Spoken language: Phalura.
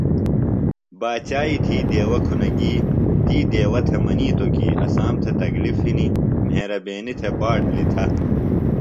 باچائی دہی دیوہ کُھنہ گی۔ تی دیوہ تھےۡ منِیتوۡ کی اسام تھےۡ تکلِف ہِنیۡ، مہربینی تھےۡ باٹ لِتھہ۔